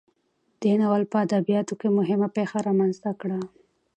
دې ناول په ادبیاتو کې مهمه پیښه رامنځته کړه.